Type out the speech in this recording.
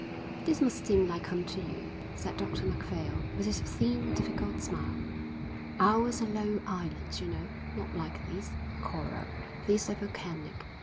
"This must seem like home to you," said Dr Macphail, with his thin, difficult smile. "Ours are low islands, you know, not like these. Coral. These are volcanic.